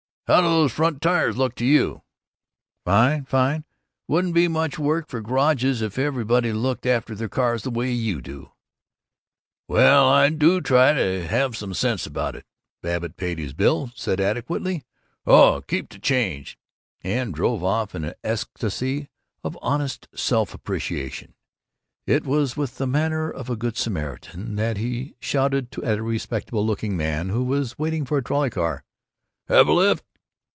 "How do those front tires look to you?" "Fine! Fine! Wouldn't be much work for garages if everybody looked after their car the way you do." "Well, I do try and have some sense about it." Babbitt paid his bill, said adequately, "Oh, keep the change," and drove off in an ecstasy of honest self appreciation. It was with the manner of a Good Samaritan that he shouted at a respectable looking man who was waiting for a trolley car, "Have a lift?"